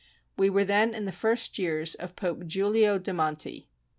We were then in the first years of Pope Giulio de Monti.